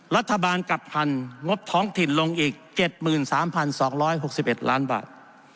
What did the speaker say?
รัฐบาลกับพันงบท้องถิ่นลงอีก๗๓๒๖๑ล้านบาท